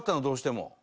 どうしても。